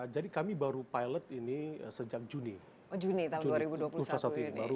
jadi kami baru pilot ini sejak juni dua ribu dua puluh satu ini